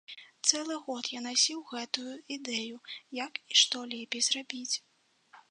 Цэлы год я насіў гэтую ідэю, як і што лепей зрабіць.